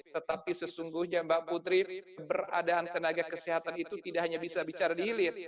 tetapi sesungguhnya mbak putri keberadaan tenaga kesehatan itu tidak hanya bisa bicara di hilir